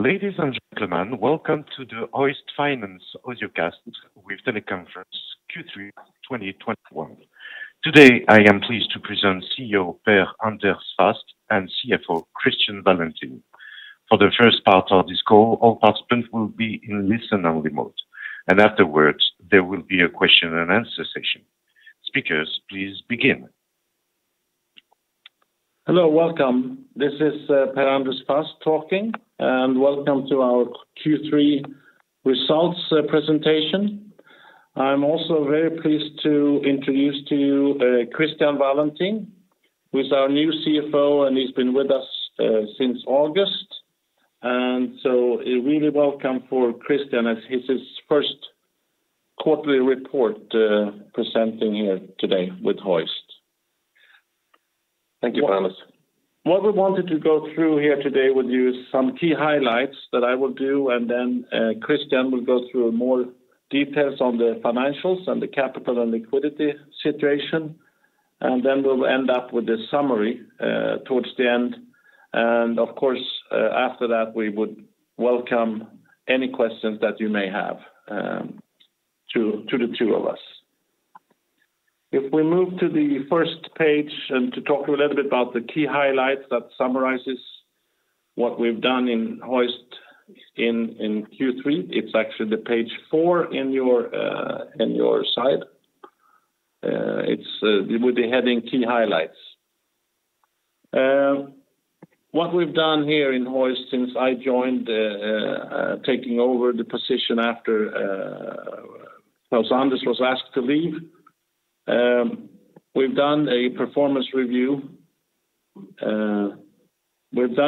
Ladies and gentlemen, welcome to the Hoist Finance audiocast with teleconference Q3 2021. Today, I am pleased to present CEO Per Anders Fasth and CFO Christian Wallentin. For the first part of this call, all participants will be in listen-only mode, and afterwards, there will be a question-and-answer session. Speakers, please begin. Hello. Welcome. This is Per Anders Fasth talking, and welcome to our Q3 results presentation. I'm also very pleased to introduce to you Christian Wallentin, who is our new CFO, and he's been with us since August. A really welcome for Christian as it's his first quarterly report presenting here today with Hoist. Thank you, Per Anders. What we wanted to go through here today with you is some key highlights that I will do, and then Christian will go through more details on the financials and the capital and liquidity situation. Then we'll end up with a summary towards the end. Of course, after that, we would welcome any questions that you may have to the two of us. If we move to the first page and to talk a little bit about the key highlights that summarizes what we've done in Hoist in Q3. It's actually the page four in your slide. It's with the heading Key Highlights. What we've done here in Hoist since I joined taking over the position after Klaus-Anders was asked to leave, we've done a performance review. We've done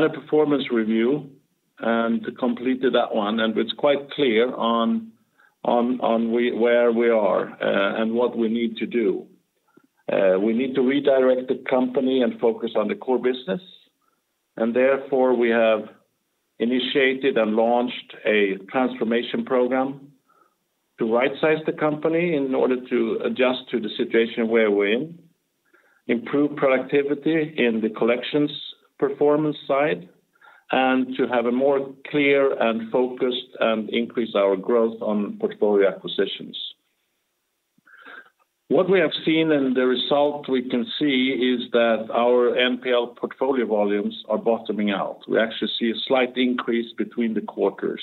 a performance review and completed that one, and it's quite clear where we are and what we need to do. We need to redirect the company and focus on the core business, and therefore, we have initiated and launched a transformation program to right-size the company in order to adjust to the situation where we're in, improve productivity in the collections performance side, and to have a more clear and focused and increase our growth on portfolio acquisitions. What we have seen and the result we can see is that our NPL portfolio volumes are bottoming out. We actually see a slight increase between the quarters.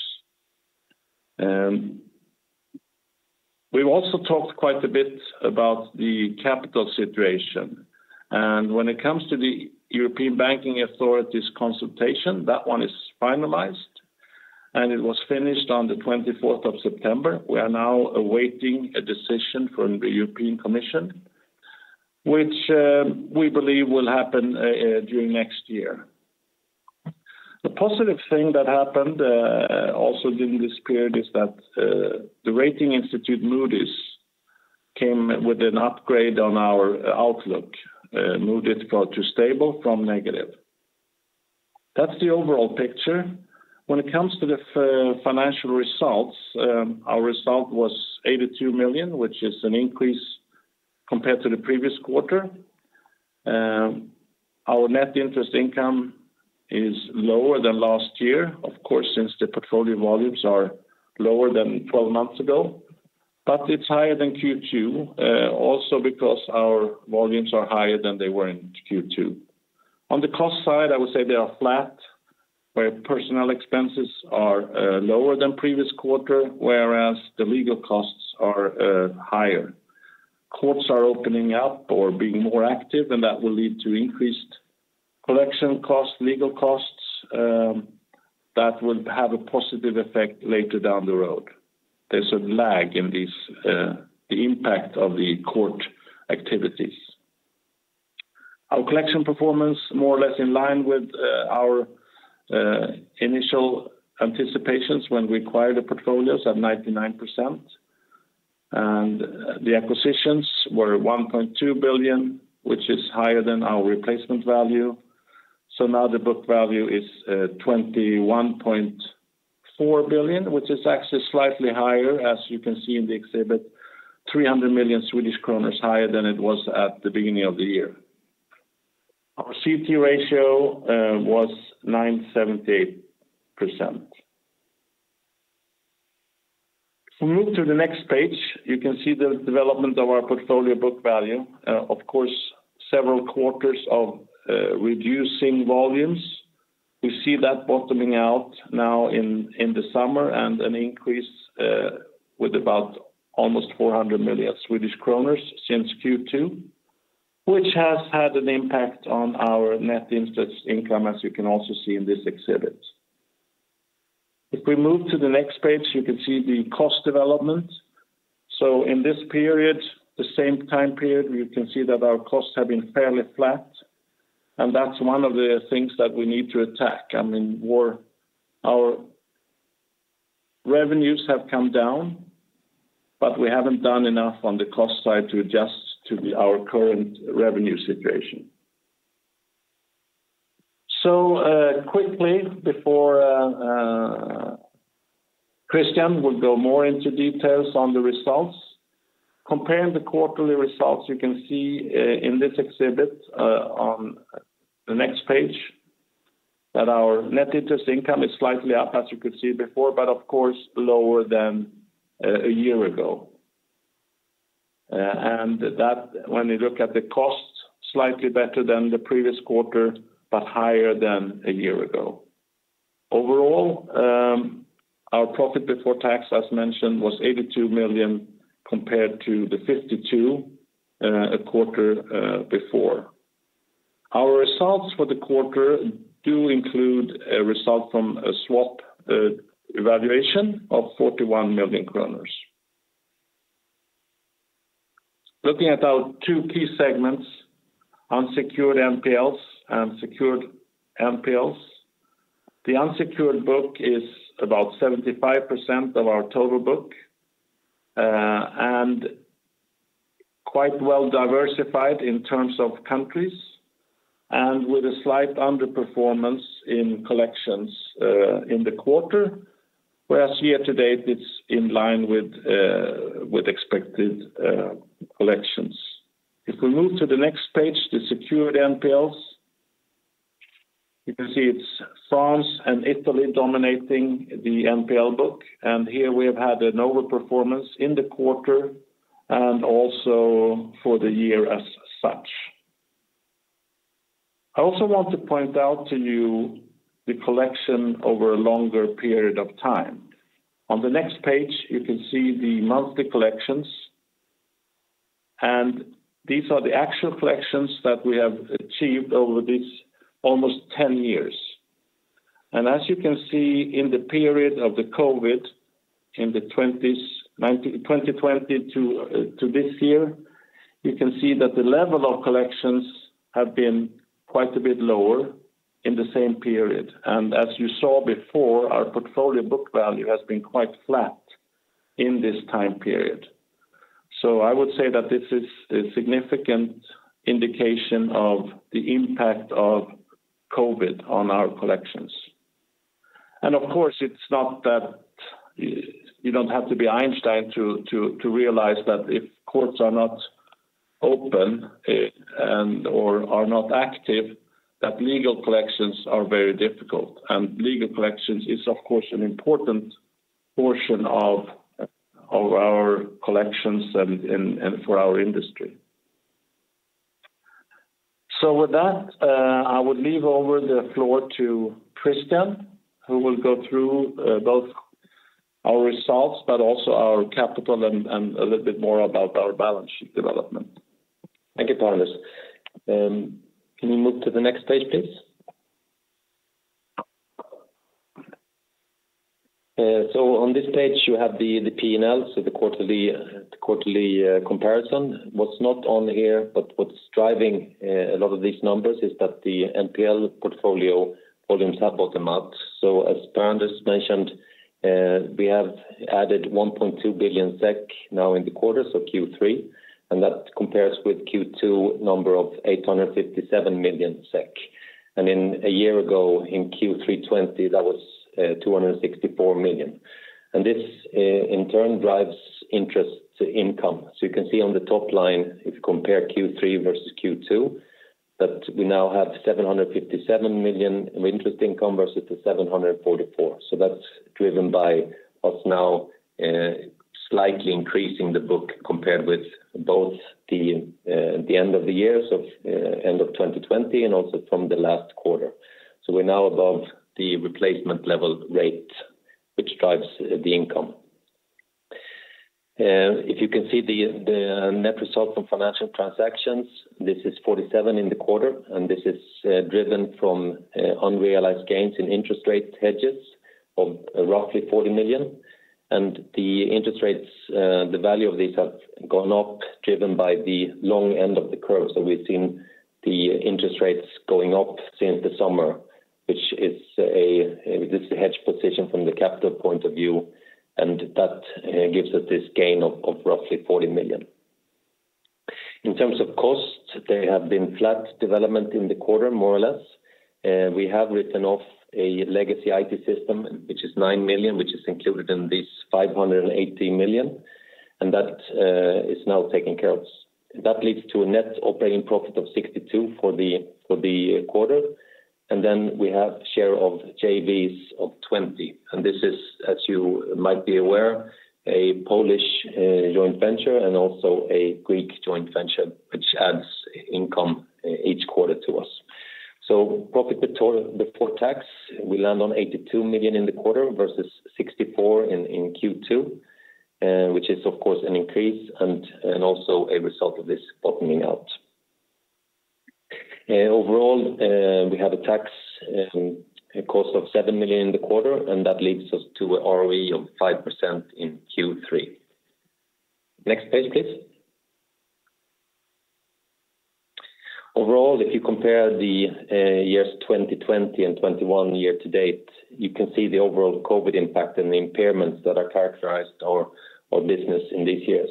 We've also talked quite a bit about the capital situation. When it comes to the European Banking Authority's consultation, that one is finalized, and it was finished on the 24th of September. We are now awaiting a decision from the European Commission, which we believe will happen during next year. The positive thing that happened also during this period is that the rating institute Moody's came with an upgrade on our outlook. Moody's got to stable from negative. That's the overall picture. When it comes to the financial results, our result was 82 million, which is an increase compared to the previous quarter. Our net interest income is lower than last year. Of course, since the portfolio volumes are lower than 12 months ago. It's higher than Q2, also because our volumes are higher than they were in Q2. On the cost side, I would say they are flat, where personnel expenses are lower than previous quarter, whereas the legal costs are higher. Courts are opening up or being more active, and that will lead to increased collection costs, legal costs, that will have a positive effect later down the road. There's a lag in this, the impact of the court activities. Our collection performance more or less in line with our initial anticipations when we acquired the portfolios at 99%. The acquisitions were 1.2 billion, which is higher than our replacement value. Now the book value is 21.4 billion, which is actually slightly higher, as you can see in the exhibit, 300 million Swedish kronor higher than it was at the beginning of the year. Our CET1 ratio was 9.78%. If we move to the next page, you can see the development of our portfolio book value. Of course, several quarters of reducing volumes. We see that bottoming out now in the summer and an increase with about almost 400 million Swedish kronor since Q2, which has had an impact on our net interest income, as you can also see in this exhibit. If we move to the next page, you can see the cost development. In this period, the same time period, you can see that our costs have been fairly flat, and that's one of the things that we need to attack. I mean, our revenues have come down, but we haven't done enough on the cost side to adjust to our current revenue situation. Quickly, before Christian will go more into details on the results. Comparing the quarterly results you can see in this exhibit on the next page that our net interest income is slightly up as you could see before, but of course, lower than a year ago. When you look at the costs slightly better than the previous quarter, but higher than a year ago. Overall, our profit before tax, as mentioned, was 82 million compared to the 52 million a quarter before. Our results for the quarter do include a result from a swap evaluation of SEK 41 million. Looking at our two key segments, unsecured NPLs and secured NPLs. The unsecured book is about 75% of our total book, and quite well diversified in terms of countries and with a slight underperformance in collections in the quarter, whereas year to date, it's in line with expected collections. If we move to the next page, the secured NPLs. You can see it's France and Italy dominating the NPL book, and here we have had an overperformance in the quarter and also for the year as such. I also want to point out to you the collection over a longer period of time. On the next page, you can see the monthly collections. These are the actual collections that we have achieved over these almost 10 years. As you can see in the period of the COVID, in the 2020s, 2020 to this year, you can see that the level of collections have been quite a bit lower in the same period. As you saw before, our portfolio book value has been quite flat in this time period. I would say that this is a significant indication of the impact of COVID on our collections. Of course, it's not that you don't have to be Einstein to realize that if courts are not open, and/or are not active, that legal collections are very difficult. Legal collections is of course an important portion of our collections and for our industry. With that, I would hand over the floor to Christian, who will go through both our results, but also our capital and a little bit more about our balance sheet development. Thank you, Per Anders Fasth. Can you move to the next page, please? On this page, you have the P&L, the quarterly comparison. What's not on here, but what's driving a lot of these numbers is that the NPL portfolio volumes have bottomed out. As Per Anders Fasth mentioned, we have added 1.2 billion SEK now in the quarter, Q3, and that compares with Q2 number of 857 million SEK. In a year ago in Q3 2020, that was 264 million. This in turn drives interest income. You can see on the top line, if you compare Q3 versus Q2, that we now have 757 million in interest income versus the 744 million. That's driven by us now slightly increasing the book compared with both the end of the year, so end of 2020 and also from the last quarter. We're now above the replacement level rate, which drives the income. If you can see the net result from financial transactions, this is 47 million in the quarter, and this is driven from unrealized gains in interest rate hedges of roughly 40 million. And the interest rates, the value of these have gone up, driven by the long end of the curve. We've seen the interest rates going up since the summer, which this is a hedge position from the capital point of view, and that gives us this gain of roughly 40 million. In terms of costs, there have been flat development in the quarter, more or less. We have written off a legacy IT system, which is 9 million, which is included in this 580 million, and that is now taken care of. That leads to a net operating profit of 62 million for the quarter. We have share of JVs of 20 million. This is, as you might be aware, a Polish joint venture and also a Greek joint venture, which adds income each quarter to us. Profit before tax, we land on 82 million in the quarter versus 64 in Q2, which is of course an increase and also a result of this bottoming out. Overall, we have a tax cost of 7 million in the quarter, and that leads us to a ROE of 5% in Q3. Next page, please. Overall, if you compare the years 2020 and 2021 year-to-date, you can see the overall COVID impact and the impairments that are characterized our business in these years.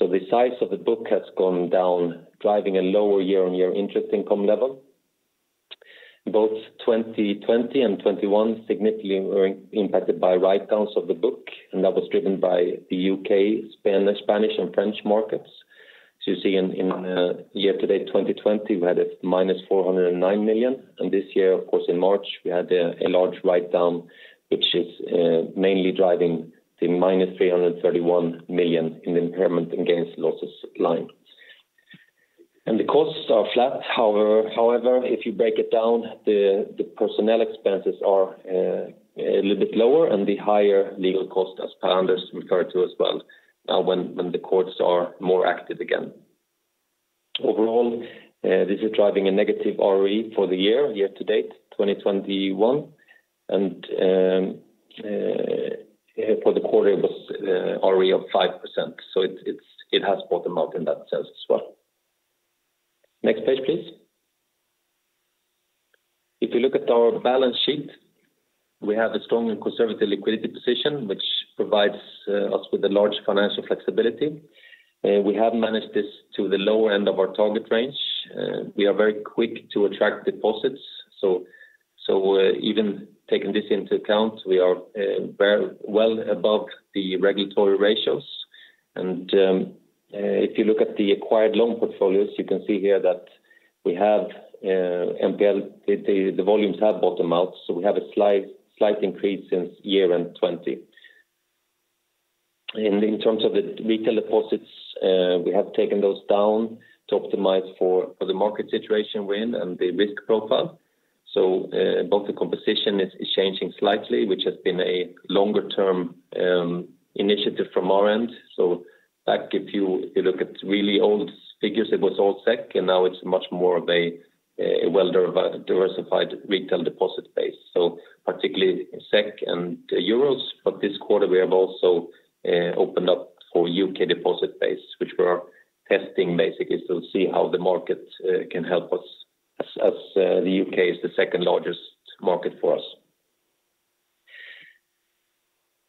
The size of the book has gone down, driving a lower year-on-year interest income level. Both 2020 and 2021 significantly were impacted by write downs of the book, and that was driven by the U.K., Spanish, and French markets. You see in year-to-date 2020, we had a -409 million. This year, of course, in March, we had a large write-down, which is mainly driving the -331 million in the impairment and gains losses line. The costs are flat. However, if you break it down, the personnel expenses are a little bit lower and the higher legal cost as Per Anders referred to as well, when the courts are more active again. Overall, this is driving a negative ROE for the year, year-to-date 2021. For the quarter, it was ROE of 5%, so it has bottomed out in that sense as well. Next page, please. If you look at our balance sheet, we have a strong and conservative liquidity position, which provides us with a large financial flexibility. We have managed this to the lower end of our target range. We are very quick to attract deposits. So even taking this into account, we are well above the regulatory ratios. If you look at the acquired loan portfolios, you can see here that NPL volumes have bottomed out, so we have a slight increase since year-end 2020. In terms of the retail deposits, we have taken those down to optimize for the market situation we're in and the risk profile. Both the composition is changing slightly, which has been a longer-term initiative from our end. Back, if you look at really old figures, it was all SEK, and now it's much more of a well-diversified retail deposit base. Particularly in SEK and euros, but this quarter we have also opened up for U.K. deposit base, which we're testing basically to see how the market can help us as the U.K. is the second-largest market for us.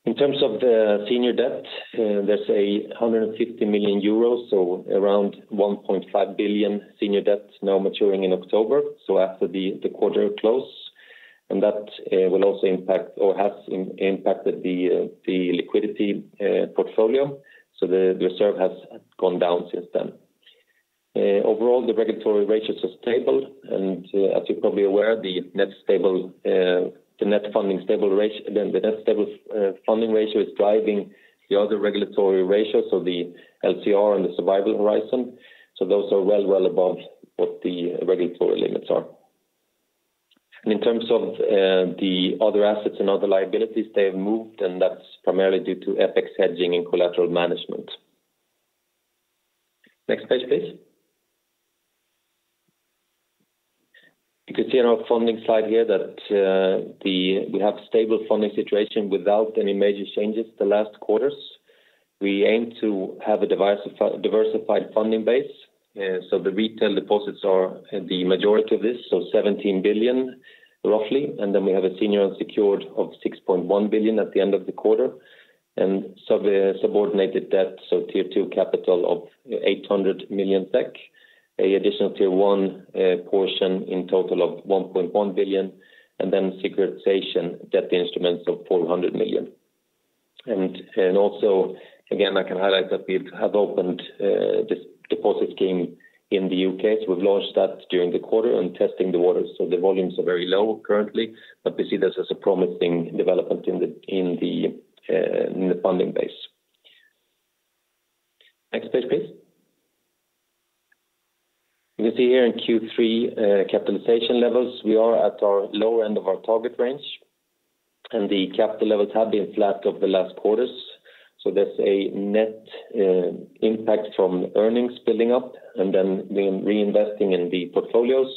In terms of the senior debt, there's 150 million euros, so around 1.5 billion senior debt now maturing in October, so after the quarter close, and that will also impact or has impacted the liquidity portfolio. The reserve has gone down since then. Overall, the regulatory ratios are stable. As you're probably aware, the net stable funding ratio is driving the other regulatory ratios, so the LCR and the survival horizon. Those are well above what the regulatory limits are. In terms of the other assets and other liabilities, they have moved, and that's primarily due to FX hedging and collateral management. Next page, please. You can see on our funding slide here that we have stable funding situation without any major changes the last quarters. We aim to have a diversified funding base. The retail deposits are the majority of this, so 17 billion roughly. Then we have a senior unsecured of 6.1 billion at the end of the quarter. Subordinated debt, so Tier 2 capital of 800 million SEK. An Additional Tier 1 portion in total of 1.1 billion, and then securitization debt instruments of 400 million. I can highlight that we have opened this deposit scheme in the U.K. We've launched that during the quarter and testing the waters, so the volumes are very low currently, but we see this as a promising development in the funding base. Next page, please. You can see here in Q3, capitalization levels, we are at our lower end of our target range, and the capital levels have been flat over the last quarters. There's a net impact from earnings building up and then the reinvesting in the portfolios.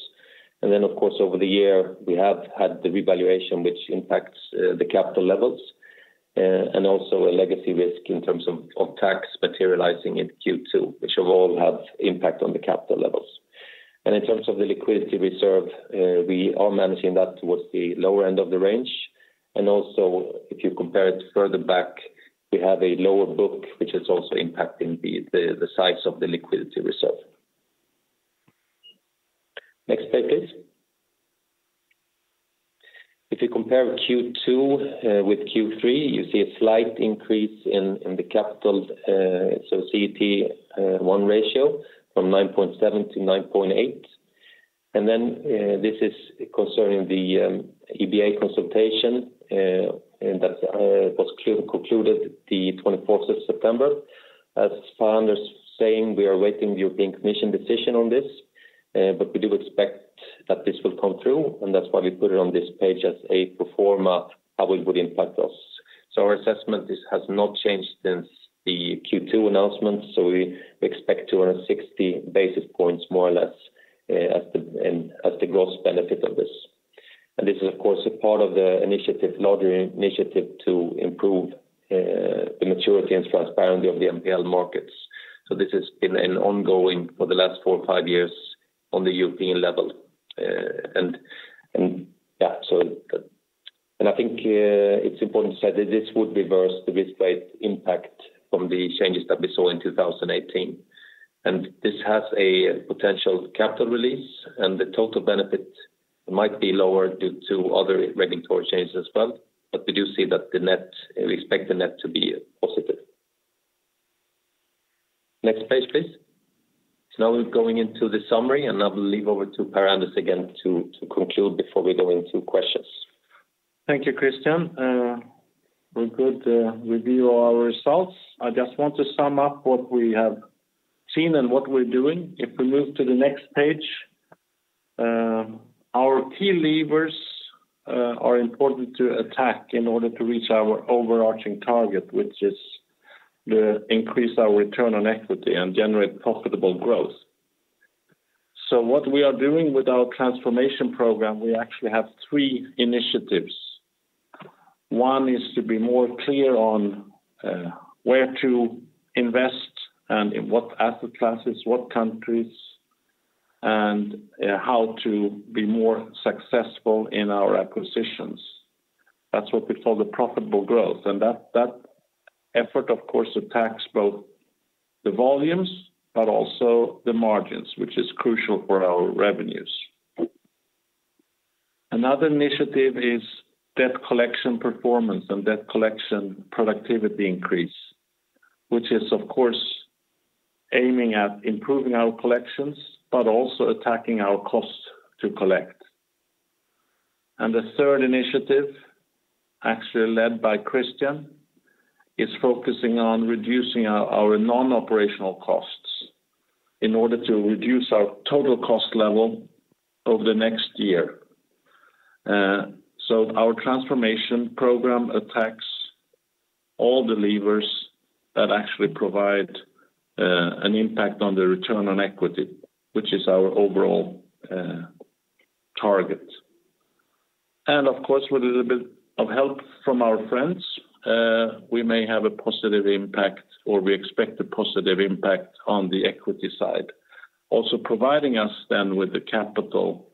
Then of course, over the year, we have had the revaluation which impacts the capital levels, and also a legacy risk in terms of tax materializing in Q2, which overall have impact on the capital levels. In terms of the liquidity reserve, we are managing that towards the lower end of the range. Also, if you compare it further back, we have a lower book, which is also impacting the size of the liquidity reserve. Next page, please. If you compare Q2 with Q3, you see a slight increase in the capital, so CET1 ratio from 9.7% to 9.8%. This is concerning the EBA consultation, and that was concluded the 24th of September. As Per Anders saying, we are awaiting the European Commission decision on this, but we do expect that this will come through, and that's why we put it on this page as a pro forma, how it would impact us. Our assessment, this has not changed since the Q2 announcement. We expect 260 basis points more or less, as the gross benefit of this. This is of course a part of the initiative, larger initiative to improve the maturity and transparency of the NPL markets. This has been ongoing for the last four or five years on the European level. I think it's important to say that this would reverse the risk-based impact from the changes that we saw in 2018. This has a potential capital release, and the total benefit might be lower due to other regulatory changes as well. We do see that the net we expect to be positive. Next page, please. Now we're going into the summary, and I will hand over to Per Anders Fasth again to conclude before we go into questions. Thank you, Christian. We're good to review our results. I just want to sum up what we have seen and what we're doing. If we move to the next page, our key levers are important to attack in order to reach our overarching target, which is to increase our return on equity and generate profitable growth. What we are doing with our transformation program, we actually have three initiatives. One is to be more clear on where to invest and in what asset classes, what countries, and how to be more successful in our acquisitions. That's what we call the profitable growth. That effort, of course, attacks both the volumes, but also the margins, which is crucial for our revenues. Another initiative is debt collection performance and debt collection productivity increase, which is of course aiming at improving our collections but also attacking our cost to collect. The third initiative, actually led by Christian, is focusing on reducing our non-operational costs in order to reduce our total cost level over the next year. Our transformation program attacks all the levers that actually provide an impact on the return on equity, which is our overall target. Of course, with a little bit of help from our friends, we may have a positive impact, or we expect a positive impact on the equity side, also providing us then with the capital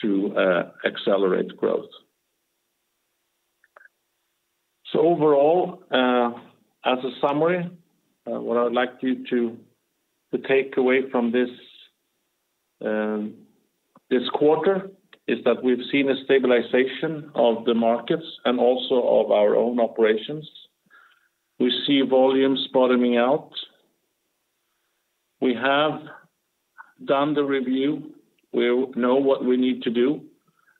to accelerate growth. Overall, as a summary, what I'd like you to take away from this quarter is that we've seen a stabilization of the markets and also of our own operations. We see volumes bottoming out. We have done the review. We know what we need to do,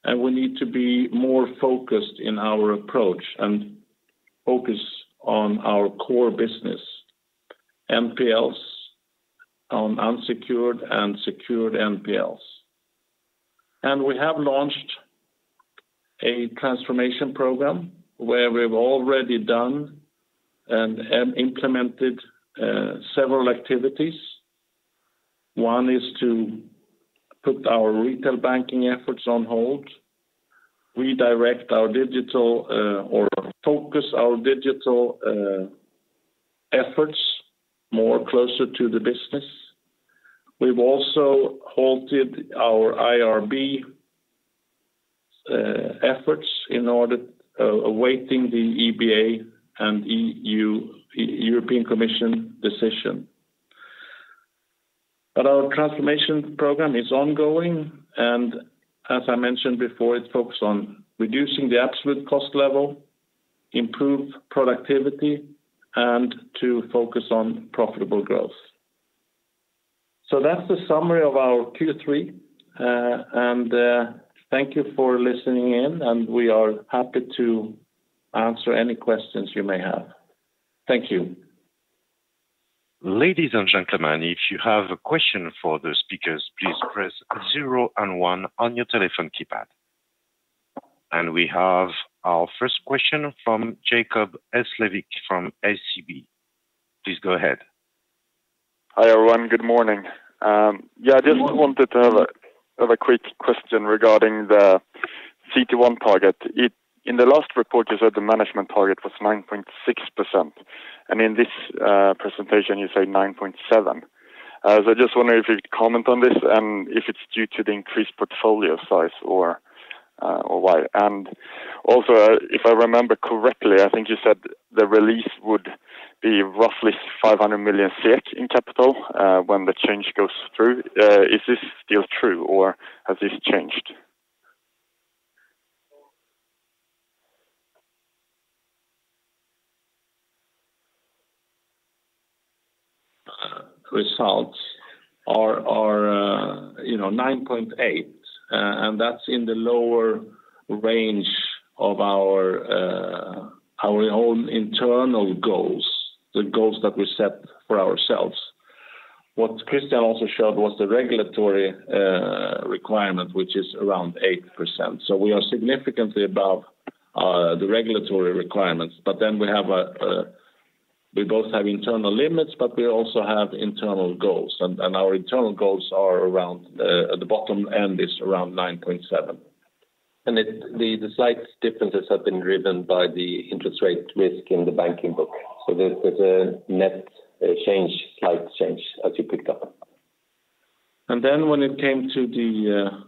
and we need to be more focused in our approach and focus on our core business, NPLs, on unsecured and secured NPLs. We have launched a transformation program where we've already done and implemented several activities. One is to put our retail banking efforts on hold, focus our digital efforts more closer to the business. We've also halted our IRB efforts in order awaiting the EBA and European Commission decision. Our transformation program is ongoing, and as I mentioned before, it's focused on reducing the absolute cost level, improve productivity, and to focus on profitable growth. That's the summary of our Q3. Thank you for listening in, and we are happy to answer any questions you may have. Thank you. Ladies and gentlemen, if you have a question for the speakers, please press zero and one on your telephone keypad. We have our first question from Jacob Hesslevik from SEB. Please go ahead. Hi, everyone. Good morning. Yeah, I just wanted to have a quick question regarding the CET1 target. In the last report, you said the management target was 9.6%. In this presentation, you say 9.7%. So I just wonder if you could comment on this and if it's due to the increased portfolio size or why. Also if I remember correctly, I think you said the release would be roughly 500 million SEK in capital when the change goes through. Is this still true, or has this changed? Results are you know 9.8% and that's in the lower range of our own internal goals, the goals that we set for ourselves. What Christian also showed was the regulatory requirement, which is around 8%. We are significantly above the regulatory requirements. We have a we both have internal limits, but we also have internal goals. Our internal goals are around at the bottom end is around 9.7%. The slight differences have been driven by the interest rate risk in the banking book. There's a net change, slight change as you picked up. When it came to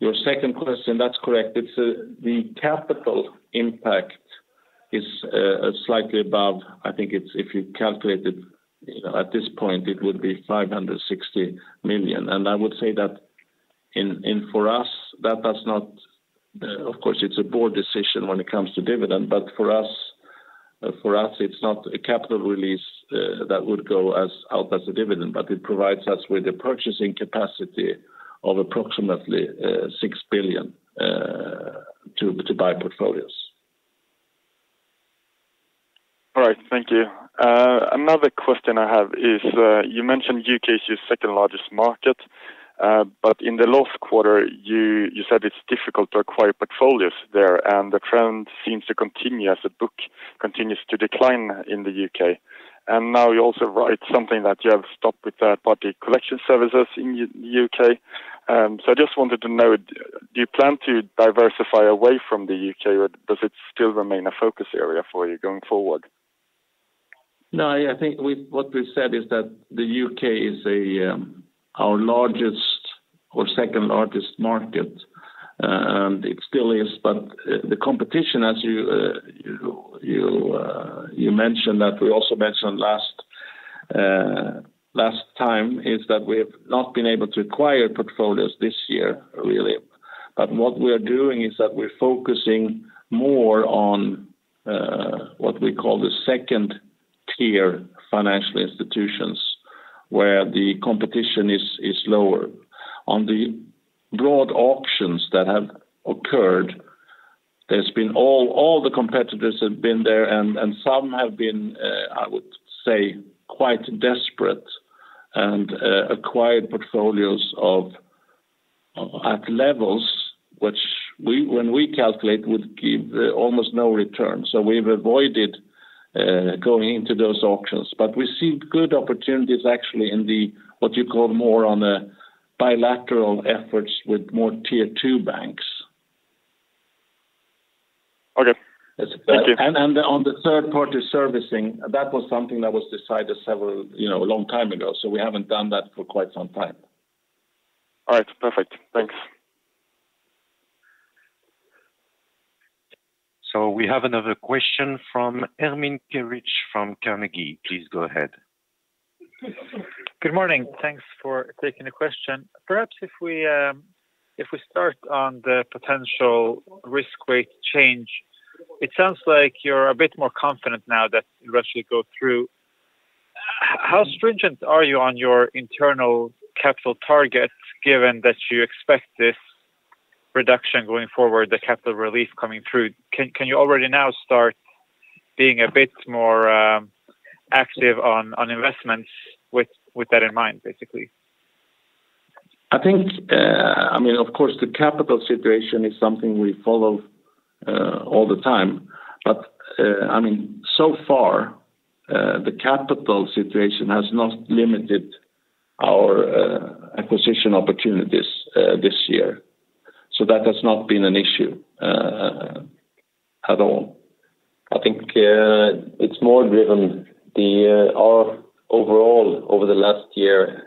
your second question, that's correct. It's the capital impact is slightly above. I think it's if you calculate it, you know, at this point, it would be 560 million. I would say that for us, that does not—of course, it's a board decision when it comes to dividend. For us, it's not a capital release that would go out as a dividend, but it provides us with a purchasing capacity of approximately 6 billion to buy portfolios. All right. Thank you. Another question I have is, you mentioned U.K. is your second-largest market, but in the last quarter, you said it's difficult to acquire portfolios there, and the trend seems to continue as the book continues to decline in the U.K. Now you also write something that you have stopped with third-party collection services in U.K. I just wanted to know, do you plan to diversify away from the U.K., or does it still remain a focus area for you going forward? No, I think what we said is that the U.K. is our largest or second-largest market. It still is, but the competition as you mentioned that we also mentioned last time is that we've not been able to acquire portfolios this year, really. What we are doing is that we're focusing more on what we call the second-tier financial institutions, where the competition is lower. On the broad auctions that have occurred, all the competitors have been there and some have been, I would say, quite desperate and acquired portfolios at levels which when we calculate would give almost no return. We've avoided going into those auctions. We see good opportunities actually in the, what you call more on a bilateral efforts with more Tier 2 banks. Okay. Thank you. On the third-party servicing, that was something that was decided several, you know, a long time ago. We haven't done that for quite some time. All right. Perfect. Thanks. We have another question from Ermin Keric from Carnegie. Please go ahead. Good morning. Thanks for taking the question. Perhaps if we start on the potential risk weight change, it sounds like you're a bit more confident now that it'll actually go through. How stringent are you on your internal capital targets, given that you expect this reduction going forward, the capital relief coming through? Can you already now start being a bit more active on investments with that in mind, basically? I think, I mean, of course, the capital situation is something we follow all the time. I mean, so far, the capital situation has not limited our acquisition opportunities this year. That has not been an issue at all. I think, it's more driven the—our overall over the last year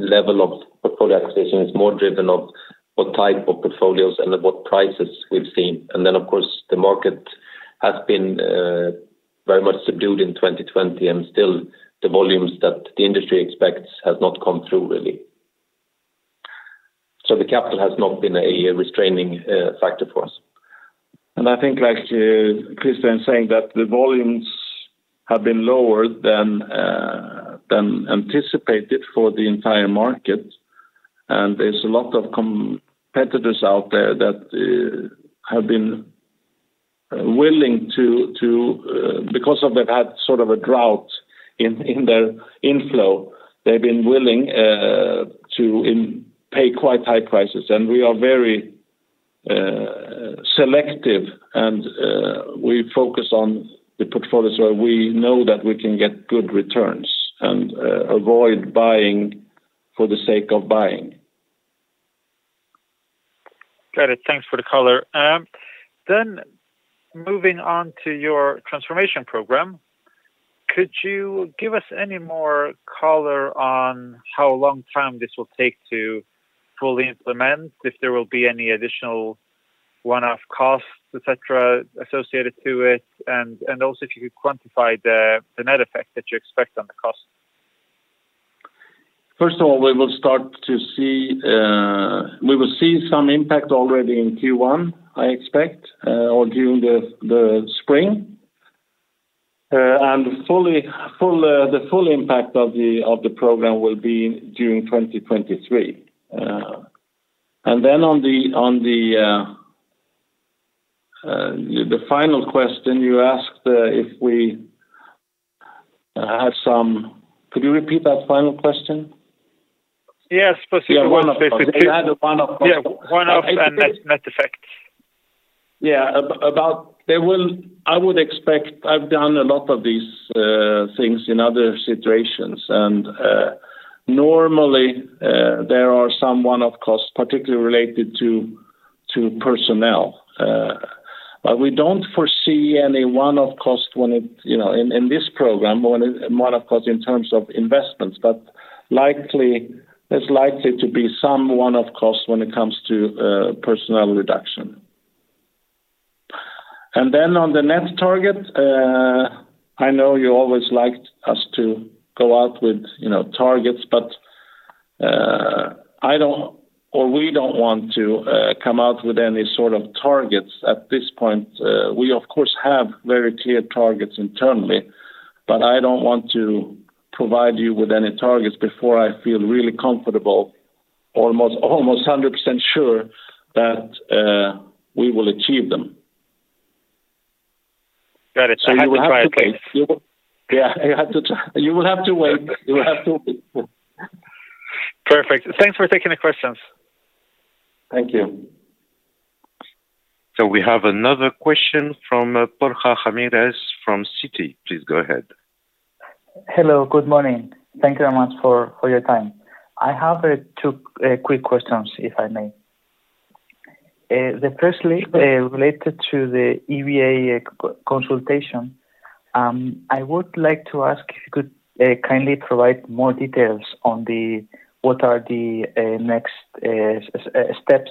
level of portfolio acquisition is more driven of what type of portfolios and at what prices we've seen. Of course, the market has been very much subdued in 2020 and still the volumes that the industry expects has not come through, really. The capital has not been a restraining factor for us. I think like Christian saying that the volumes have been lower than anticipated for the entire market. There's a lot of competitors out there that have been willing to pay quite high prices because they've had sort of a drought in their inflow. We are very selective and we focus on the portfolios where we know that we can get good returns and avoid buying for the sake of buying. Got it. Thanks for the color. Moving on to your transformation program, could you give us any more color on how long this will take to fully implement, if there will be any additional one-off costs, et cetera, associated to it? Also, if you could quantify the net effect that you expect on the cost. First of all, we will see some impact already in Q1, I expect, or during the spring. The full impact of the program will be during 2023. Then on the final question you asked, if we had some. Could you repeat that final question? Yes. Specifically one of this— The one off— Yeah. One-off and net effects. About whether there will—I would expect I've done a lot of these things in other situations. Normally, there are some one-off costs, particularly related to personnel. We don't foresee any one-off cost when it, you know, in this program, one-off cost in terms of investments. Likely, there is likely to be some one-off costs when it comes to personnel reduction. Then on the net target, I know you always liked us to go out with, you know, targets, but I don't or we don't want to come out with any sort of targets at this point. We of course have very clear targets internally, but I don't want to provide you with any targets before I feel really comfortable almost 100% sure that we will achieve them. Got it. I had to try. You will have to wait. Yeah, you had to try. You will have to wait. Perfect. Thanks for taking the questions. Thank you. We have another question from Borja Ramirez from Citi. Please go ahead. Hello, good morning. Thank you very much for your time. I have two quick questions, if I may. The first related to the EBA consultation. I would like to ask if you could kindly provide more details on what are the next steps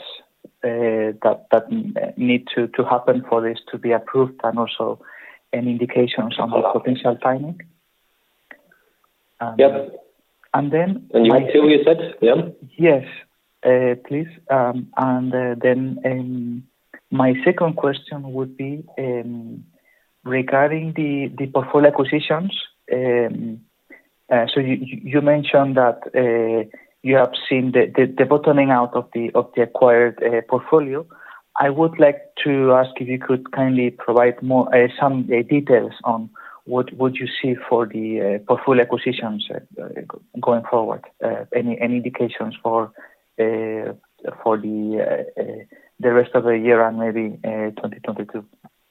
that need to happen for this to be approved and also any indications on the potential timing. Yep. And then— [You were too, you said?] Yeah. Yes. Please. My second question would be regarding the portfolio acquisitions. You mentioned that you have seen the bottoming out of the acquired portfolio. I would like to ask if you could kindly provide more some details on what would you see for the portfolio acquisitions going forward. Any indications for the rest of the year and maybe 2022.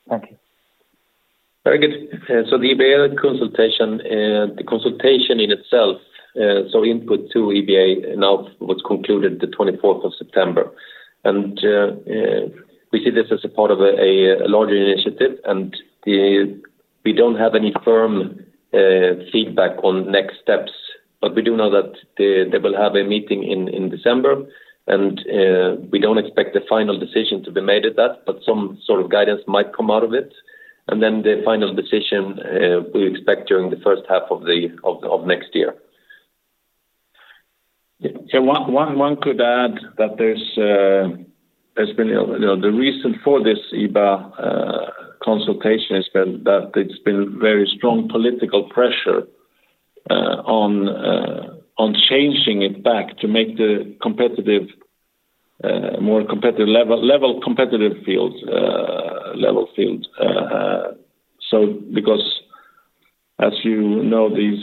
Thank you. Very good. The EBA consultation, the consultation in itself, we input to EBA now was concluded the 24th of September. We see this as a part of a larger initiative. We don't have any firm feedback on next steps, but we do know that they will have a meeting in December. We don't expect a final decision to be made at that, but some sort of guidance might come out of it. The final decision, we expect during the first half of next year. One could add that there's been, you know, the reason for this EBA consultation has been that it's been very strong political pressure on changing it back to make the more competitive level playing field. Because as you know, these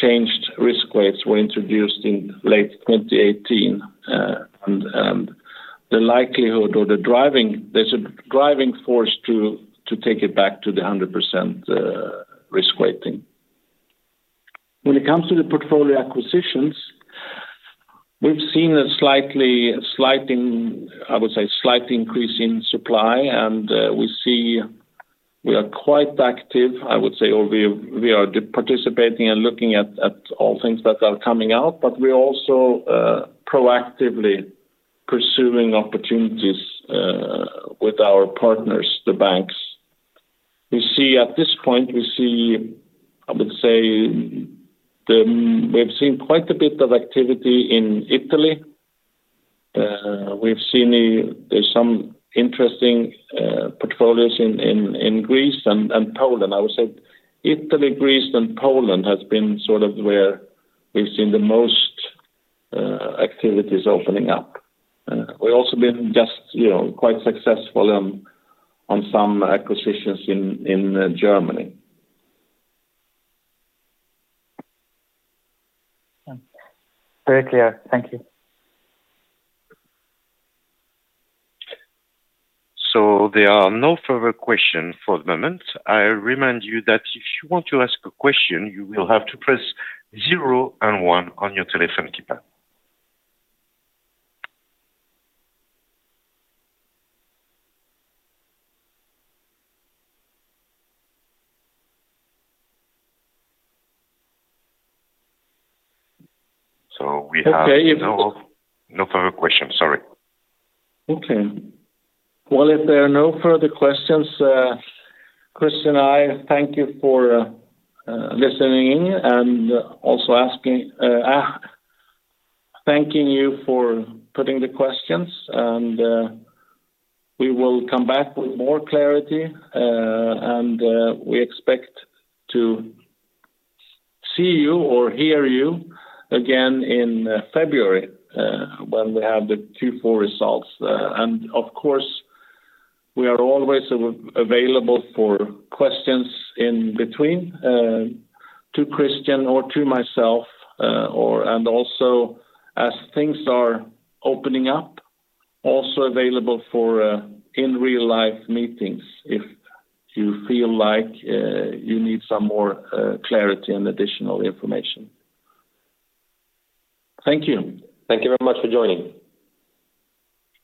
changed risk weights were introduced in late 2018, and there's a driving force to take it back to the 100% risk weighting. When it comes to the portfolio acquisitions, we've seen a slight increase in supply, and we are quite active. I would say we are participating and looking at all things that are coming out, but we're also proactively pursuing opportunities with our partners, the banks. We see at this point, I would say we've seen quite a bit of activity in Italy. We've seen there's some interesting portfolios in Greece and Poland. I would say Italy, Greece, and Poland has been sort of where we've seen the most activities opening up. We've also been just, you know, quite successful on some acquisitions in Germany. Very clear. Thank you. There are no further questions for the moment. I remind you that if you want to ask a question, you will have to press zero and one on your telephone keypad. We have— Okay. No, no further question. Sorry. Okay. Well, if there are no further questions, Christian and I thank you for listening and also asking, thanking you for putting the questions. We will come back with more clarity. We expect to see you or hear you again in February, when we have the Q4 results. Of course, we are always available for questions in between, to Christian or to myself, or also as things are opening up, also available for in real life meetings if you feel like you need some more clarity and additional information. Thank you. Thank you very much for joining.